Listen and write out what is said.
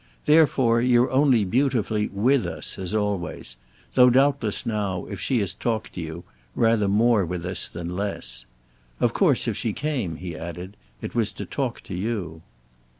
Therefore you're only beautifully with us as always—though doubtless now, if she has talked to you, rather more with us than less. Of course if she came," he added, "it was to talk to you."